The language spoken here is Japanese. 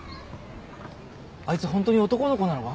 あいつホントに男の子なのか？